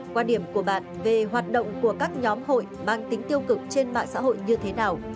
quan điểm của bạn về hoạt động của các nhóm hội mang tính tiêu cực trên mạng xã hội như thế nào